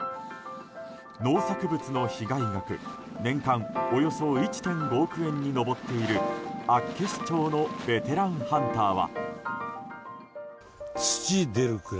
農作物の被害額年間およそ１．５億円に上っている厚岸町のベテランハンターは。